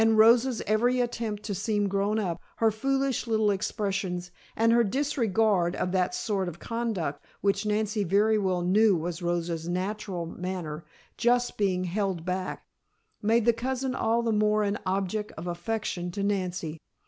And Rosa's every attempt to seem grown up, her foolish little expressions, and her disregard of that sort of conduct which Nancy very well knew was Rosa's natural manner just being held back, made the cousin all the more an object of affection to Nancy.